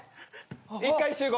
一回集合！